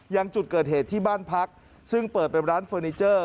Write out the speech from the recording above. ยังจุดเกิดเหตุที่บ้านพักซึ่งเปิดเป็นร้านเฟอร์นิเจอร์